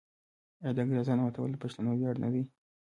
آیا د انګریزامو ماتول د پښتنو ویاړ نه دی؟